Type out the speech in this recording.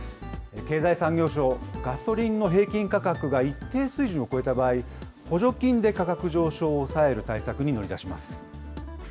経済産業省、ガソリンの平均価格が一定水準を超えた場合、補助金で価格上昇を抑える対策に乗り出します。